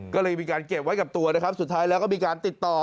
ก็เลยมีการเก็บไว้กับตัวนะครับสุดท้ายแล้วก็มีการติดต่อ